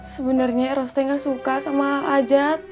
sebenernya eros gak suka sama ajat